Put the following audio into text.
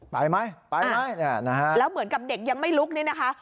ไปไหมไปไหมเนี่ยนะฮะแล้วเหมือนกับเด็กยังไม่ลุกนี่นะคะ